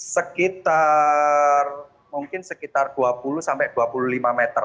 sekitar mungkin sekitar dua puluh sampai dua puluh lima meter